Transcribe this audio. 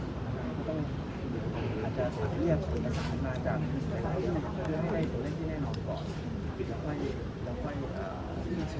แสดงว่าเราต้องรอให้มีการเปิดเผยรายได้อย่างนี้ดีกว่านะครับ